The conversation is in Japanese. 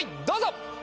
どうぞ！